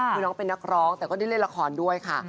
คือน้องเป็นนักร้องแต่ก็ได้เล่นละครด้วยค่ะ